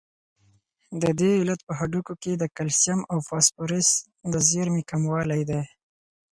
د دې علت په هډوکو کې د کلسیم او فاسفورس د زیرمې کموالی دی.